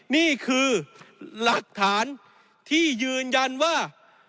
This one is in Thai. นี่คือหลักฐานที่ยืนยันว่า